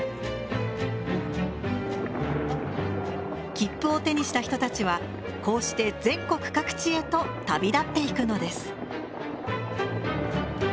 切符を手にした人たちはこうして全国各地へと旅立っていくのです。